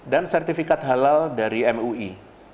dan sertifikat halal dari mui